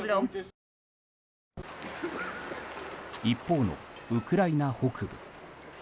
一方のウクライナ北部。